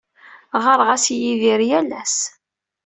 Ɣɣareɣ-as i Yidir yal ass.